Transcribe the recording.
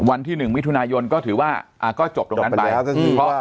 วันที่๑มิถุนายนก็ถือว่าก็จบตรงนั้นไป